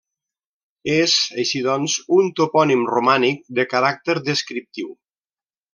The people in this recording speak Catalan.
És, així doncs, un topònim romànic de caràcter descriptiu.